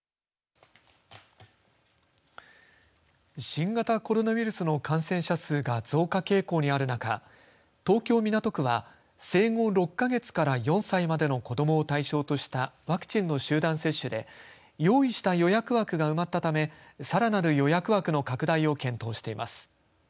新型コロナウイルスの感染者数が増加傾向にある中東京、港区は生後６か月から４歳までの子どもを対象としたワクチンの集団接種で用意した予約枠が埋まったためさらなる予約枠の拡大を検討しています。